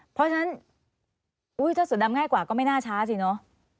เพราะฉะนั้นถ้าเสือดำง่ายกว่าก็ไม่น่าช้าสิเนอะ